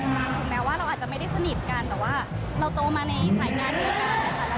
ถึงแม้ว่าเราอาจจะไม่ได้สนิทกันแต่ว่าเราโตมาในสายงานเดียวกันค่ะ